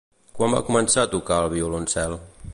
Quan va començar a tocar el violoncel?